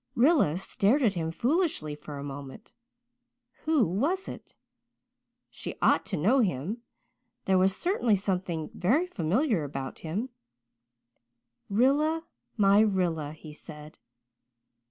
Rilla stared at him foolishly for a moment. Who was it? She ought to know him there was certainly something very familiar about him "Rilla my Rilla," he said.